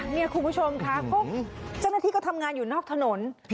นี่คุณผู้ชมค่ะเจ้าหน้าที่ก็ทำงานอยู่นอกถนน